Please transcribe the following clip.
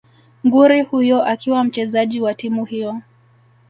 nguri huyo akiwa mchezaji wa timu hiyo